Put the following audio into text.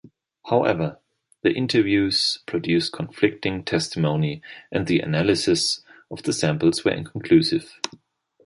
However, the interviews produced conflicting testimony and the analyses of the samples were inconclusive.